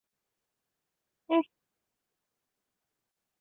靖康之难中的被金人掠走的北宋女性相当之多。